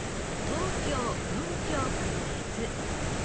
東京文京区根津。